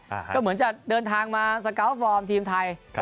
ก็เหมือนจะเดินทางมาสกาลฟอร์มทีมไทยครับ